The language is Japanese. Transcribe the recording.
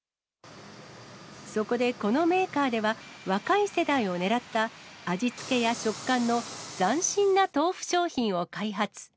そこでこのメーカーでは、若い世代を狙った味付けや食感の斬新な豆腐商品を開発。